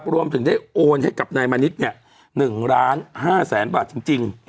รวมถึงได้โอนให้กับนายมณิต๑๕ล้านบาทจริง